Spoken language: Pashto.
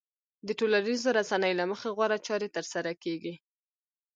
د ټولنيزو رسنيو له مخې غوره چارې ترسره کېږي.